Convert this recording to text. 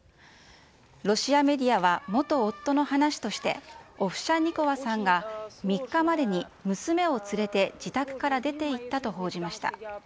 ロシアメディアは、元夫の話として、オフシャンニコワさんが３日までに娘を連れて、自宅から出ていったと報じました。